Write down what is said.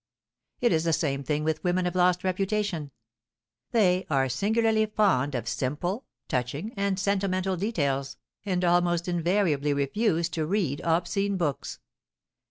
It is the same thing with women of lost reputation; they are singularly fond of simple, touching, and sentimental details, and almost invariably refuse to read obscene books.